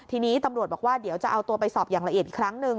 ทีนี้ตำรวจบอกว่าเดี๋ยวจะเอาตัวไปสอบอย่างละเอียดอีกครั้งหนึ่ง